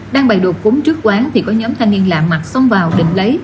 đang bày đột cúm trước quán thì có nhóm thanh niên lạ mặt xông vào định lấy